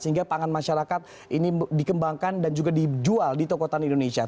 sehingga pangan masyarakat ini dikembangkan dan juga dijual di toko tani indonesia